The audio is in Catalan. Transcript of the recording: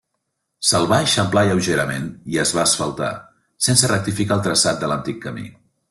Se'l va eixamplar lleugerament i es va asfaltar, sense rectificar el traçat de l'antic camí.